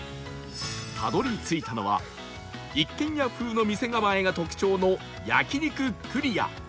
たどり着いたのは一軒家風の店構えが特徴の